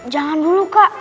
jangan dulu kak